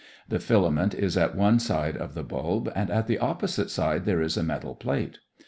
The filament is at one side of the bulb and at the opposite side there is a metal plate.